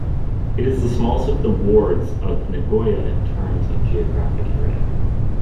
It is the smallest of the wards of Nagoya in terms of geographic area.